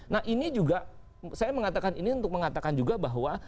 nah ini juga saya mengatakan ini untuk mengatakan juga bahwa